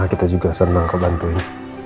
kita juga senang kau bantuin